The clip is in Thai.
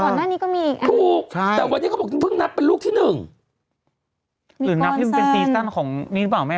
หน้านี้ก็มีอีกถูกใช่แต่วันนี้เขาบอกเพิ่งนับเป็นลูกที่หนึ่งหรือนับให้มันเป็นซีซั่นของนี่หรือเปล่าแม่